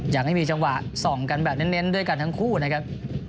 ยังไม่มีจังหวะส่องกันแบบเน้นด้วยกันทั้งคู่นะครับ